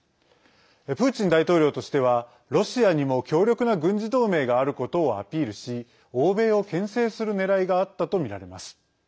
プーチン大統領としてはロシアにも、強力な軍事同盟があることをアピールし欧米をけん制する狙いがあったとみられます。